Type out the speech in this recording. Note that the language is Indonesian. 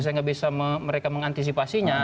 saya nggak bisa mereka mengantisipasinya